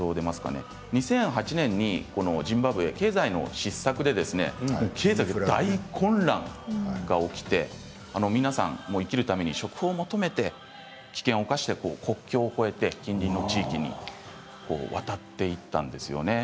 ２００８年にジンバブエ経済の失策で大混乱が起きて皆さん生きるために職を求めて危険を冒して国境を越えて近隣の地域に渡っていったんですよね。